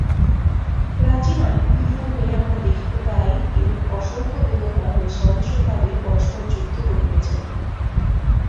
প্রাচীন য়াহুদী ধর্মে আমরা দেখিতে পাই, এইরূপ অসংখ্য দেবতা নৃশংসভাবে পরস্পর যুদ্ধ করিতেছেন।